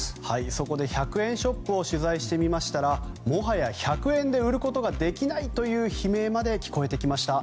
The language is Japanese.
そこで１００円ショップを取材してみましたらもはや１００円で売ることができないという悲鳴まで聞こえてきました。